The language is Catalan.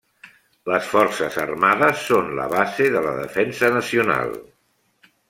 Les forces armades són la base de la defensa nacional.